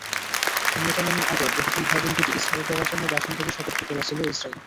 হামলা চালানোর আগে বহুতল ভবন দুটি ছেড়ে দেওয়ার জন্য বাসিন্দাদের সতর্ক করেছিল ইসরায়েল।